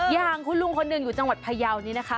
อย่างคุณลุงคนหนึ่งอยู่จังหวัดพยาวนี้นะคะ